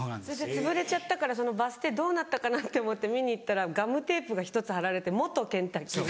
つぶれちゃったからバス停どうなったかなって思って見に行ったらガムテープが１つ張られて「元ケンタッキー前」。